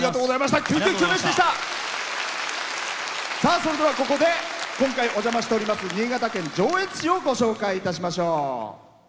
それでは、ここで今回お邪魔しております新潟県上越市をご紹介いたしましょう。